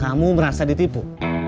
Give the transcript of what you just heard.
kamu merasa ditipu